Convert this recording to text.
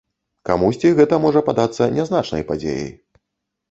Камусьці гэта можа падацца нязначнай падзеяй.